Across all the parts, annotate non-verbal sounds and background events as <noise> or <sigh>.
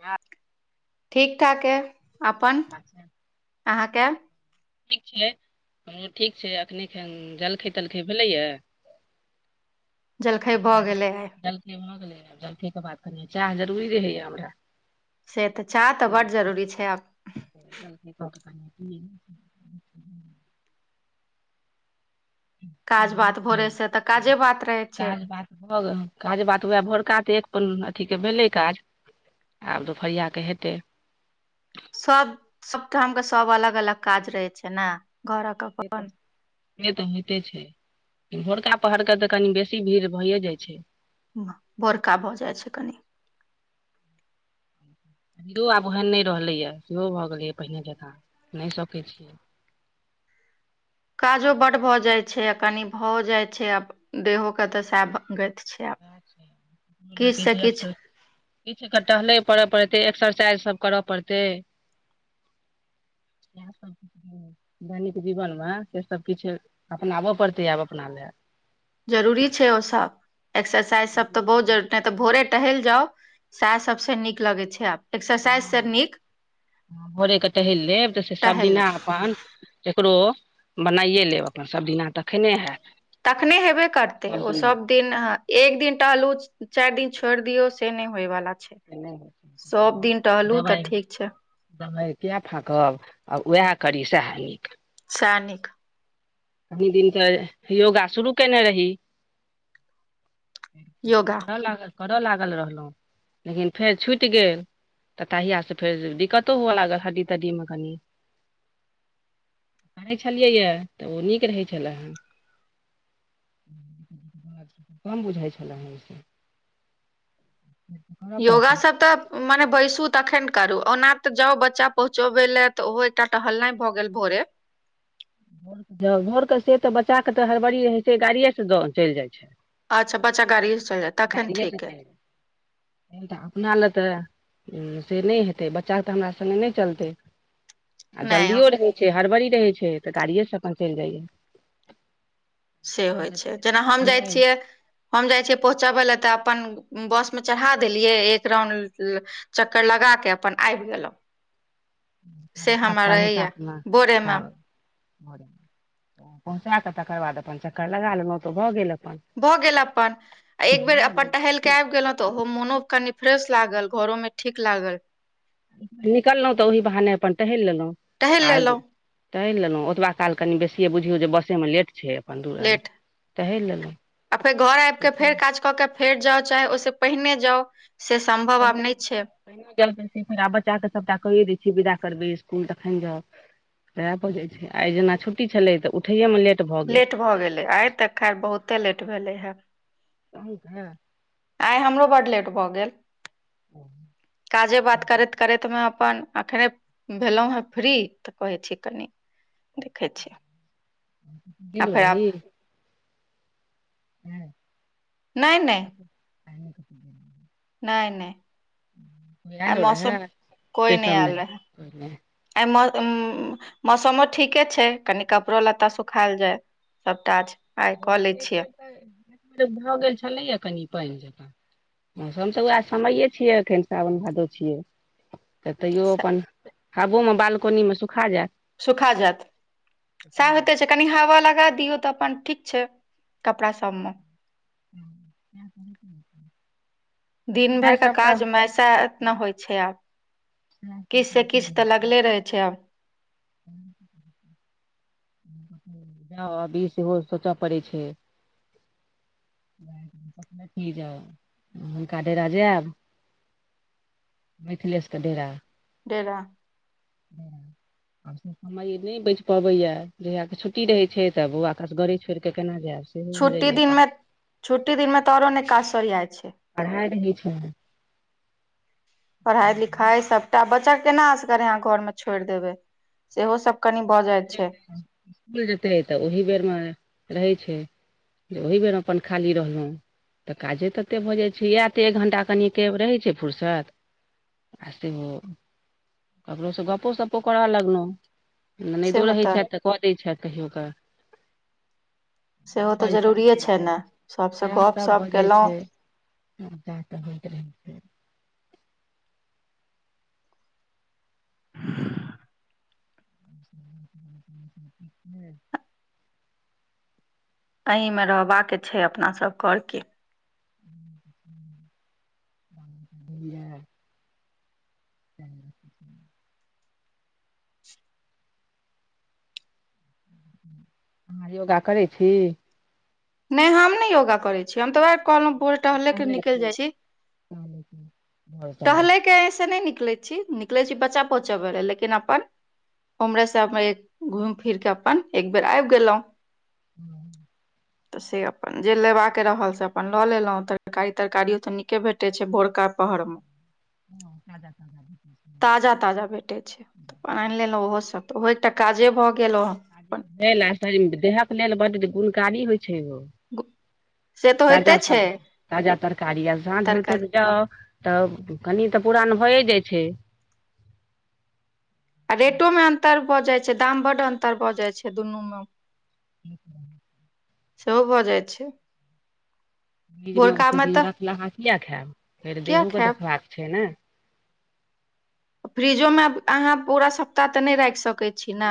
हाल ठीक ठाक ह। अपन अहाँके? ठीक छै, हमरो ठीक छै। अखने खन जलखै तलखै भेलैए। जलखै ओहिक भऽ बाद गेलै आइ जल। खऽ, भऽ गेलैए जलखै। जलखैके बाद कनि चाय जरूरी रहैए हमरा। से तऽ चाय तऽ से बड्ड जरूरी छै आब। जलखै कऽ कऽ कनि पी लिअ। काजक चाह बात छै। भोरेसँ तऽ काजे बात रहैत छै। काज बात भऽ गेल काजक बात, उएह भोरका तऽ एक अपन एतबे भेलै काज। आब दुपहरियाके हेतै। सभठामके सभ अलग अलग काज रहै छै ने घरक। से तऽ से तऽ होइते छै भोरका पहरकऽ तऽ कनि बेसी भीड़ भइए जाइ छै भोरका भऽ जाइ छै कनि दौ आब ओहन नहि रहलैया सेहो भऽ गेलैए पहिने जेकाँ नहि सकैत छियै काजो बड भऽओ जाय छै आ कनि भऽ जाय छै आब देहो के तऽ सेहै गत सेहै छै हमरो लगै छै आब किछु तऽ किछु क टहले परय पड़ते एक्सरसाइज सब करऽ पड़तै <unintelligible> दैनिक जीवनमे से सब किछु अपनाबऽ पड़तै आब अपना लए जरूरी छै ओ सब एक्सरसाइज सब तऽ बहुत जरूरी नै टा तऽ भोरे टहल जाउ सएह सबसे नीक लगे छै आब हँ एक्सरसाइज से नीक हँ भोरेक टहलि लेब तऽ से टहलि लेब सभदिना अपन केकरो मनाइए लेब अपन सभदिना तखने हैत तखने हेबे करतै सब दिना ओसभ दिन एक दिन टहलू चारि दिन छोड़ दियौ से नहि होय बाला से नै होई छै तऽ दबाई ठीक छै दबाइ किया फाकब आब उएह करि सएह नीक सैह निक कनि दिन तऽ योगा शुरू कयने रही योगा करय लागल करय लागल रहलऊ लेकिन फेर छुटि गेल तऽ तहियास से फेर दिक्कतो हुअ लागत हड्डी तड्डी मे कनि करै छलियैए तऽ ओ नीक रहै छलै हेन कम बुझाइ छलै हँ ओसँ करऽ योगा पड़तै सब तऽ मने बैसू तखन करू ओना तऽ जाउ बच्चा पहुँचबे ले तऽ ओहो एकटा टहलनाइ भऽ गेल भोरे भोर क जाउ भोरके से तऽ बच्चाे क तऽ हड़बड़ी रहय छै गाड़िए से चलि जाइ छै अच्छा बच्चा गाड़ीसँ चल जात तखन ठीक यै उल्टा अपनाल तऽ उ से नय हेतै बच्चा तऽ हमरा सङ्गे नै चलतै आ नहि जल्दिओ रहै छै हड़बड़ी रहै छै तऽ गाड़िएसँ अपन चल जाइयए से होइ छै जेना हम जाइ छियै हम जाइ छियै पहुँचाबे लए तऽ अपन बस में चढ़ा देलियै एक राउंड ल चक्कर लगा के अपन आयब गेलौं ते सात पढ़ रहैया सातमे भोरे मे सओ <unintelligible> भोरे पहुँचा कऽ तकर बाद अपन चक्कर लगा लेलओ तऽ भऽ गेल अपन भऽ गेल अपन एक बेर अपन टहेल कै आबि गेलहुँ तऽ ओहो मोनो कनि फ्रेश लागल घरो में ठीक लागल निकललहुँ तऽ ओही बहाने अपन टहैल लेलौं टहल आ लेलहुँ तैह लेलहुँ ओतबा काल कनि बेसिए बुझियौ जे बसेमे लेट छै अपन दू रंग लेट टहैल लेलौ आ फेर घर आबि कऽ फेर काज कऽ के फेर जाउ चाहे ओहिस पहिने जाउ से सम्भव आब पहिने नय छै पहिने गेलखिन सि तोरा बच्चाे सभटा कयै दै छियै विदा करबै इसकुल तखन जाउ सैह बुझैछय छै आइ जेना छुट्टी छलै तऽ उठैएमे लेट भऽ गेल भऽ गेलै आइ तक खैर बहुते लेट भेले हे हत हँ <unintelligible> आइ हमरो बड लेट भऽ गेल काजे बात करैत करैत मे अपन अखने भेलहुं हेँ फ्री तऽ कहै छी कनि देखै छी आ गेलो फेर आब रही नहि नय नय नय नय आ आयलो मौसम रहए कोई से न सब आल रहै नहि आ म मौसमो ठीके छै कनि कपड़ो लत्ता सुखायल जाय सभ काज भोरसँ एक बेर तऽ एक बेर भऽ गेल छलैएा कनि पानि जकाँ मौसम त उएह समये छियै एखन साावन भादो छियै तऽ तैयो स- अपन हाबोमे बालकोनीमे सुखा जायत सुखा जायैत स होते छै कनि हवा लगा दियौ तऽ अपन ठीक छै कपड़ा सभमे हुँ हुँ हुँ दिन भर का काज मे साह एतना होइ छै आब किछ से किछ तऽ लगले रहै छै आब जा अभी सेहो सोचऽ पड़ै छै की जाउ हुनका डेरा जैब मिथिलेस के डेरा डेरा हुँ आ समय नहि बचि पबैय जहिया के छुट्टी रहै छै तऽ बौआ के असगरे छोड़ि कें केना जायब सेहो हो छुट्टी जाइय पढ़ दिनमे छुट्टी दिनमे तऽ औरो नहि काज सरियाइ छै पढ़ाइ कें बीचमे <inaudible> पढ़ाई लिखाई सबटा बच्चा के केना असगरे यहा छोड़ि देबे सेहो सब स्कूल जेतै तऽ ओही बेरमे रहै छै जे ओहि बेर में अपन खाली रहलहुँ तऽ काजे ततेक भऽ जाइत छै इएह तऽ एक घण्टा कनिके रहैत छै फुरसत आ सेहो ककरो सँ गग्पो सप्पो करय लगलहुँ ननैदो रहैत छथि तऽ कऽ दे छत कहियौ कऽ सेहो तऽ बड़ी काल जरूरीे फोन छै पर ने सब सँ गप सप केलहुॅं ह त त होत <unintelligible> <inaudible> <inaudible> एहिमे रहबाक छै अपनासभ और की <unintelligible> च् <unintelligible> अहाँ योगा करै छी नै हम नहि योगा करै छी हम तऽ ओएह कहलहुं भोरे टहले के टहलै निकल छी जाइ छै टहलै छी भोर साँझ टहले के ऐ से नहि निकले छी निकले छी बच्चा पहुँचब ले लेकिन अपन हमरा सब मे घूम फिर के अपन एक बेर आबि गेलहुं हूँ तऽ से अपन जे लेबाक रहल से अपन लऽ लेलहुँ तरकारी तरकारियो तऽ नीके भेटैत छै भोरका पहर में <inaudible> ताजा ताजा ताजा ताजा भेटे छै तऽ अपन ऐन‌ लेलहुँ ओहो सभ तऽ ओहो एकटा काजे भऽ गेलँ भेल आ देह हाथ लेल बड्ड गुणकारी होइ छै ओ से तऽ ताजा होइते छै सब ताजा तरकारी आ साँझ तरकारी होतै तऽ जाउ तब कनि तऽ पुरान भइए जाइ छै आ रेटो में अन्तर भऽ जाइत छै दाम बड़ अन्तर भऽ जाइ छै दुनू में ल <unintelligible> सेहो भऽ जाइ छै फ्रिज में ओतैय भोरकामे दीन तऽ रखलाहा किएक खायब फेर किया देहू के खायब देखबाक छै ने फ्रिजो मे अहाँ पूरा सप्ताह ते नहि राखि सकैत छी ने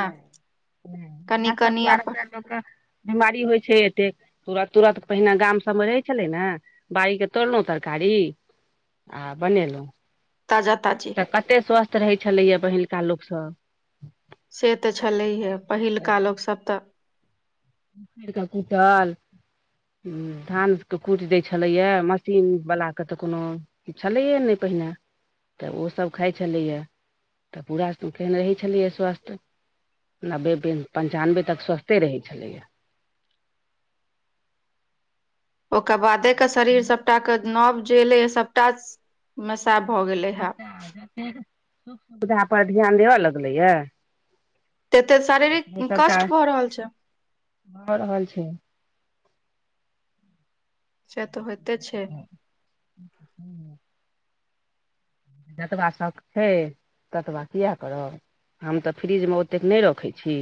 कनि सब कनि दुआरे अपन लोक के बिमारी होइ छै एतेक तोरा-तोरा पहिने गाम सभमे रहै छलै ने बाड़ी के तोड़लहुँ तरकारी आ बनेलहुँ ताजा ताजी तऽ कते स्वस्थ रहै छलैया पहिलका लोक सभ से तऽ छलैए पहिलुका लोक सभ तऽ ऊखैड़ के कुटल ह धान के कुटि दै छलैया मशीन बला के तऽ कोनो छलैए ने पहिने तऽ ओ सभ खाइ छलैए तऽ पूरा केहन रहै छलियै स्वास्थ नब्बे पंचानबे तक स्वस्थे रहै छलैयै ओकर बादे के शरीर सबटा के नब जे एले हे सभटा ह सैह भऽ गेले हे सुविधा पर ध्यान देबऽ लगलैय तते शारीरिक सभटा कष्ट भऽ रहल छै भऽ रहल छै से तऽ होइते छै <inaudible> जतबा सभ छै ततबा किया करब हम तऽ फ्रीजमे ओतेक नहि रखै छी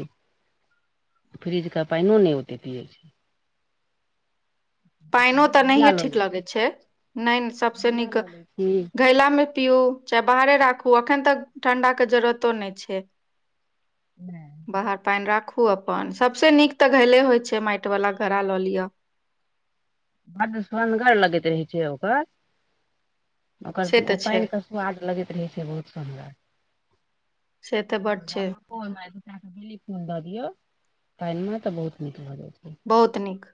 फ्रिजके पाइनो नहि ओते पियैत छै पाइनो तऽ घैला नहिए लऽ ठीक लै छी लगै छै नहि सबसे घैला नीक लऽ लै छी घैला मे पीउ चाहे बाहरे राखू अखन तक ठंडा के जरूरतो नहि छै नहि बाहर पाइन राखू ओ अपन सबसे नीक तऽ घैले होइ छै माइट वाला घड़ा लऽ लिअ हँ तऽ सुनगर लगैत रहै छै ओकर ओकर से ओ तऽ छै पाइन के स्वाद लगैत रहै छै बहुत सुंदर से तऽ बड छै कोहि दऽ बेली फूल दऽ दियौ पानिमे तऽ बहुत नीक भऽ जाइ छै बहुत नीक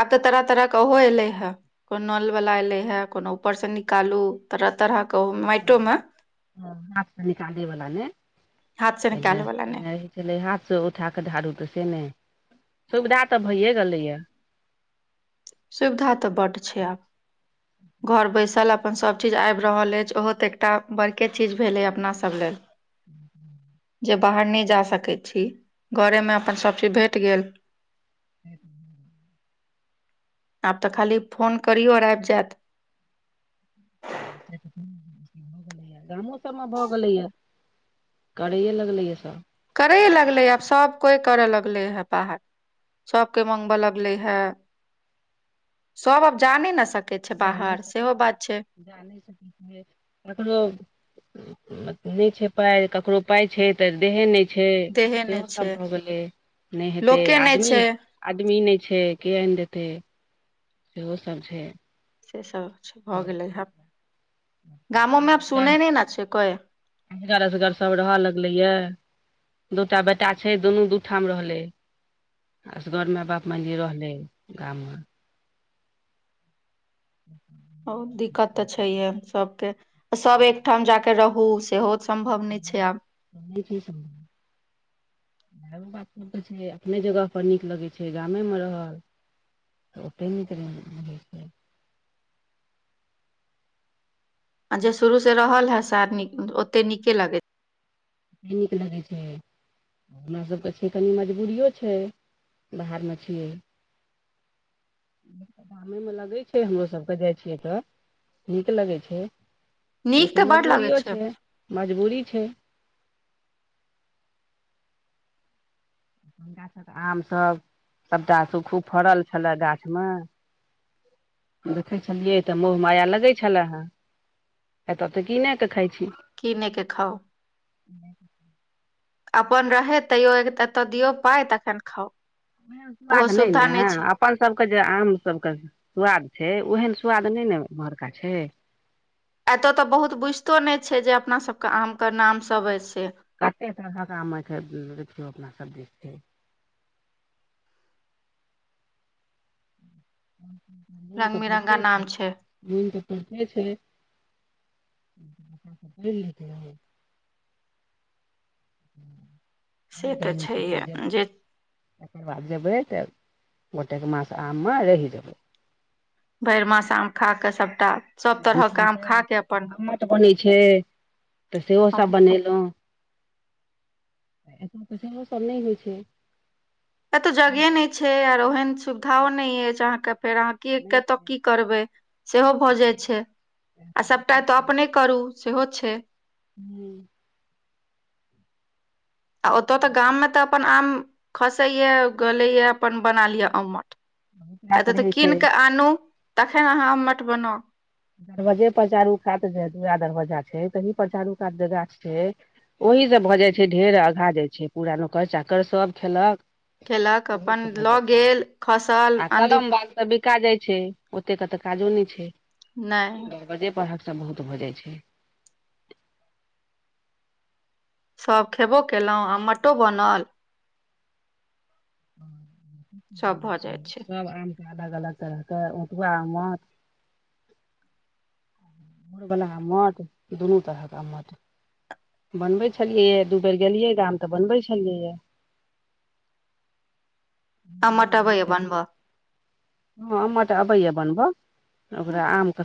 आब तऽ तरह तरह के ओहो एले हे को नलवला एलै हे कोनो ऊपरसँ निकालू तरह तरह के ओ माइटो मे हँ, हाथ से निकाले वाला ने हाथ से निकालै वला नहि भेलै हाथसँ उठा कऽ ढ़ारू तऽ से नहि सुविधा तऽ भइए गेलैया सुविधा तऽ बड्ड छै आब <inaudible> घर बैसल अपन सब चीज आइब रहल अइछ ओहो तऽ एकटा बड़के चीज भेले अपना सब लेल <inaudible> जे बाहर नहि जा सकैत छी घरेमे अपन सब चीज भेट गेल <unintelligible> आब तऽ खाली फोन करियौ और आइब जायत <unintelligible> गामो सबमें भऽ गेलैए करैए लगलै या सब करै लगले आब सब कोइ करे लगले हे बाहर सबके मंगबऽ लगलै हे सब अब जानै न सकत क छै जा नहि बाहर सकै सेहो बात छै ककरो नहि छै पाइ ककरो पाय छै तऽ देहे नहि छै देहे नहि सेहो सब छै भऽ गेलै नहि हेतै लोके नहि आदमी छै आदमी नहि छै के आइन देतै सेहो सब छै से सभछै भऽ गेलै हे गामोमे आब सुनै नहि ने छै कोइ असगर असगर सभ रहे लगले ये दूटा बेटा छै, दुनू दू ठाम रहै छै। असगर मेय बाप मे नहि रहलै गाममे <inaudible> ओ दिक्कत तऽ छैहे सभके सभ एक ठाम जाके रहू सेहो सम्भव नहि छै आब। कि चीज़ <unintelligible> माय बाप सब कहै छै, अपने जगह पर नीक लगैत छै, गामे रहल। तऽ ओते निक रहै होइ छै। आ जे शुरू से रहल हे, से आओर ओते नीके लगे। नीक लगै छै। हमरा सभके कनि मजबूरीयो छै, बाहरमे छी। गामे में लगै छै, हमरो सभके जाइ छियै तऽ। नीक लगै छै, नीक तऽ लेकिन बड लगै छै मजबूरीयो छै। हिनका सभके आम सभटा खूब फड़ल छलै गाछमे। देखै छलियै तऽ मोह माया लगै छलै हेँ। एतय तऽ कीन कऽ खाइत छी। किनके खाउ ह <inaudible> अपन रहै, तैयो एतऽ दियौ पाइ, तखन खाउ। ओहो <unintelligible> नहि सुविधा ने ह छै अपन सभके जे आम सभके स्वाद छै, ओहन स्वाद नहि ने इम्हरका छै। एतय तऽ बहुत बुझितो नहि छै जे अपना सबके आमके नाम सभ अऽ से कते तऽ हका माथे देखियौ अपना सभ कऽ छै तऽ रंग बिरंगा करते छै। नाम मन तऽ पढ़ते छै पढ़ि लेत रह <unintelligible> <inaudible> से तऽ गर्मी छुट्टी छैहे जेबै जे। तकर बाद जेबै तऽ गोटेक मास आमेमे रहि जेबै। भरि मास आम खा कऽ सभटा सभ तरहके हुनका आम तऽ खा कऽ अपन। अम्मट बनै छै। तऽ सेहो सभ हम बनेलहुँ ऐसा तैस सभ नहि होइ छै। एत्तऽ जगहे नहि छै, आओर ओहन सुविधो नहि अछि अहाँके, फेर अहाँ। नहि कतऽ छै की करबै सेहो भऽ जाइ छै आ सभटा तऽ अपने। करू सेहो छै। हू आ ओतय तऽ गाममे अपन आम खसे या गले, या अपन बना लिअ अम्मट। विकास एतऽ तऽ रहै छै कीन कऽ आनू तखन अहाँ अम्मट बनाउ। दरवाजे पर चारू कात जे दूआ दरवाजा छै, तही पर चारू कात जे गाछ छै। ओहिसँ भऽ जाइ छै, ढेर आगाँ जाइ छै, पूरा नोकर चाकर सभ खेलक। खेलक ओहि अपन से भऽ लऽ जाइ छै गेल खसल आ आँधी कलम बाघ तऽ बिकाइ जाइ छै, ओतेक तऽ काजो नहि छै नहि बजे पर तऽ। सभ बहुत भऽ जाइ छै सभ खेबो केलहुँ, अम्मट बनल। सभ भऽ जाइत नहि, छै सभ आमके अलग अलग तरहके टुक्का अम्मट। रऽ बला आमठ, दुनू तरहक आमठ। बनबै छलियै, दू बेर गेलियै गाम तऽ बनबै छलियै ये। <inaudible> आमट अबैया <unintelligible> बनबऽ हँ आमठ अबै बनबै। ओकरा आमके